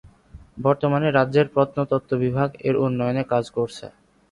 বর্তমানে রাজ্যের প্রত্নতত্ত্ব বিভাগ এর উন্নয়নে কাজ করছে।